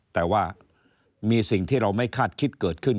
แต่ว่ามีสิ่งที่เราไม่คาดคิดเกิดขึ้น